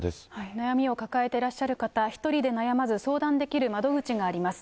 悩みを抱えてらっしゃる方、一人で悩まず相談できる窓口があります。